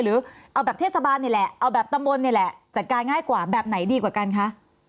หรือเอาแบบเทศบาลนี่แหละเอาแบบตำบลนี่แหละจัดการง่ายกว่าแบบไหนดีกว่ากันคะ